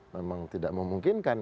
memang tidak memungkinkan